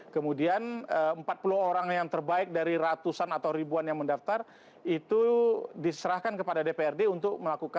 kemudian empat puluh orang yang terbaik dari ratusan atau ribuan yang mendaftar itu diserahkan kepada dprd untuk melakukan